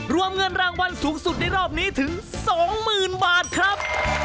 รวมเงินรางวัลสูงสุดในรอบนี้ถึง๒๐๐๐บาทครับ